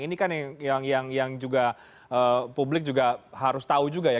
ini kan yang juga publik juga harus tahu juga ya